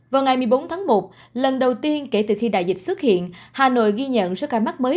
vào ngày một mươi bốn tháng một lần đầu tiên kể từ khi đại dịch xuất hiện hà nội ghi nhận số ca mắc mới